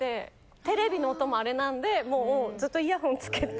テレビの音もあれなんでもうずっとイヤホンつけて。